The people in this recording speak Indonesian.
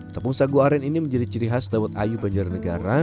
tepung sagu aren ini menjadi ciri khas dawet ayu banjarnegara